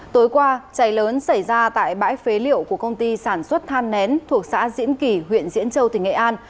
tối qua cháy lớn xảy ra tại bãi phế liệu của công ty sản xuất than nén thuộc xã diễn kỳ huyện diễn châu tỉnh nghệ an